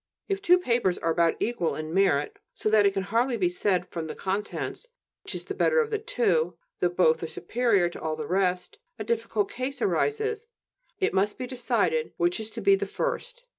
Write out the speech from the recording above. If two papers are about equal in merit, so that it can hardly be said from the contents which is the better of the two, though both are superior to all the rest, a difficult case arises: it must be decided which is to be the first.